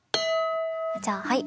じゃあはい！